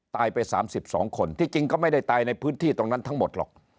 ตายไป๓๒คนที่จริงก็ไม่ได้ตายในพื้นที่ตรงนั้นทั้งหมดหรอก